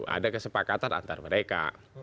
ada kesepakatan antara mereka